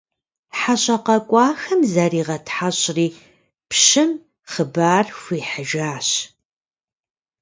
ХьэщӀэ къэкӀуахэм заригъэтхьэщӀри пщым хъыбар хуихьыжащ.